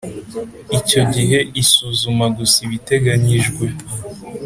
Icyo gihe isuzuma gusa ibiteganyijwe